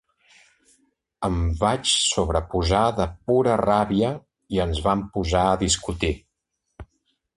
Em vaig sobreposar de pura ràbia i ens vam posar a discutir.